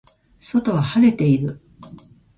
外は晴れている